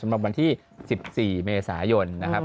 สำหรับวันที่๑๔เมษายนนะครับ